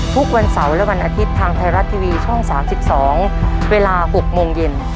ทุกวันเสาร์และวันอาทิตย์ทางไทยรัฐทีวีช่อง๓๒เวลา๖โมงเย็น